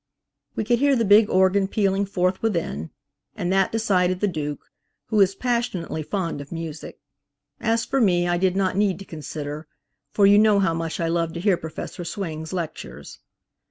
We could hear the big organ pealing forth within, and that decided the Duke, who is passionately fond of music. As for me, I did not need to consider, for you know how much I love to hear Professor Swing's lectures.